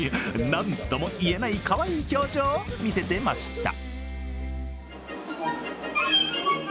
なんともいえないかわいい表情を見せてました。